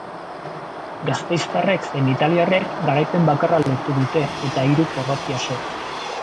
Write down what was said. Gasteiztarrek zein italiarrek garaipen bakarra lortu dute eta hiru porrot jaso.